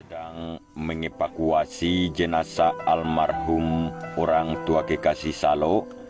sedang mengepakuasi jenazah almarhum orang tua gekasih salo